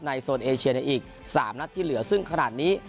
โซนเอเชียในอีก๓นัดที่เหลือซึ่งขนาดนี้